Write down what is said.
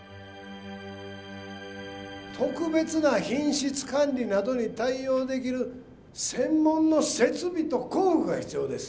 特別な品質管理などに対応できる専門の設備と工具が必要です。